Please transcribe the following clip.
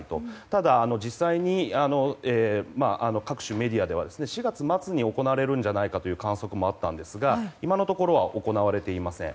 ただ、実際に各種メディアでは４月末に行われるのではという観測もあったんですが今のところは行われていません。